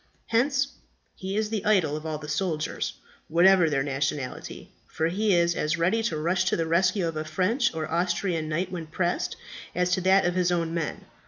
Hence he is the idol of all the soldiers, whatever their nationality; for he is as ready to rush to the rescue of a French or Austrian knight when pressed as to that of his own men.